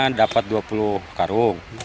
kita dapat dua puluh karung